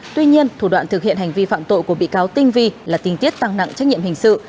tuy nhiên thủ đoạn thực hiện hành vi phạm tội của bị cáo tinh vi là tình tiết tăng nặng trách nhiệm hình sự